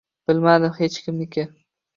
— Bilmadim. Hech kimniki.